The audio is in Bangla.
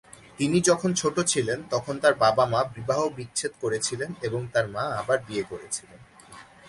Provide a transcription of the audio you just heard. তিনি যখন ছোট ছিলেন তখন তার বাবা-মা বিবাহবিচ্ছেদ করেছিলেন এবং তার মা আবার বিয়ে করেছিলেন।